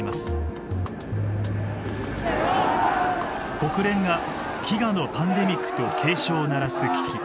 国連が飢餓のパンデミックと警鐘を鳴らす危機。